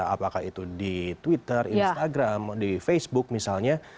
apakah itu di twitter instagram di facebook misalnya